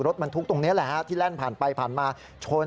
รถมันทุกข์ตรงนี้แหละที่แร่งผ่านไปผ่านมาชน